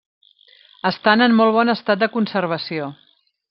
Estan en molt bon estat de conservació.